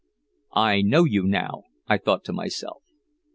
"I know you now," I thought to myself.